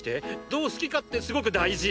どう好きかってすごく大事。